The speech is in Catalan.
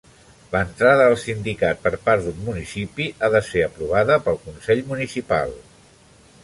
L'entrada al sindicat per part d'un municipi ha de ser aprovada pel consell municipal.